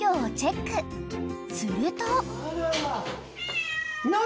［すると］何？